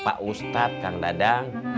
pak ustad kang dadang